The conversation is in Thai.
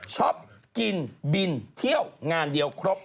ชอบกินบินเที่ยวงานเดียวครบ